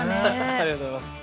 ありがとうございます。